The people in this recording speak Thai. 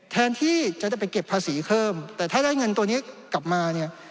แทนที่จะได้ไปเก็บภาษีเพิ่มแต่ถ้าได้เงินตัวนี้กลับมาเนี่ย